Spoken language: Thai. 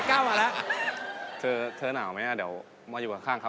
ชอบกินหมูกระทะ